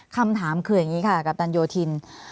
คำถามคืออย่างนี้ค่ะกัปตันโยธิน